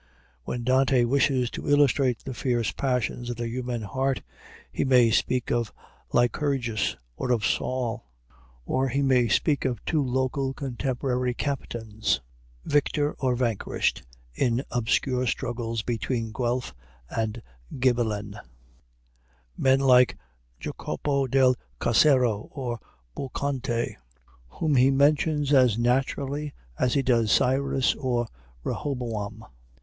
When Dante wishes to illustrate the fierce passions of the human heart, he may speak of Lycurgus, or of Saul; or he may speak of two local contemporary captains, victor or vanquished in obscure struggles between Guelph and Ghibellin; men like Jacopo del Cassero or Buonconte, whom he mentions as naturally as he does Cyrus or Rehoboam.